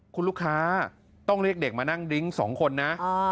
คุณลูกค้าต้องเรียกเด็กมานั่งดิ้ง๒คนนะ